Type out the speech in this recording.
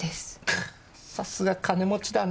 かあさすが金持ちだねぇ。